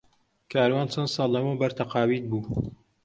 کاروان چەند ساڵ لەمەوبەر تەقاویت بوو.